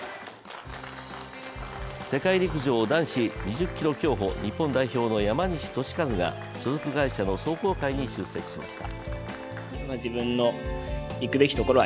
世界陸上男子２０ｋｍ競歩、日本代表の山西利和が所属会社の壮行会に出席しました。